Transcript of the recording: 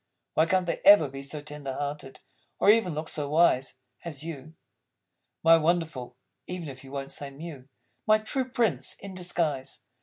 Why can't they ever be so tender hearted, Or even look so wise As You? My Wonderful (even if you Won't say Mew), My True Prince in Disguise!